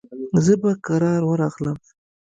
زه به کرار ورغلم.